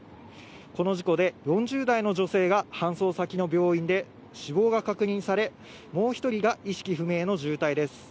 この事故で４０代の女性が搬送先の病院で死亡が確認され、もう１人が意識不明の重体です。